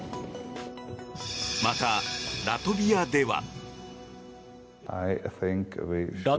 またラトビアでは。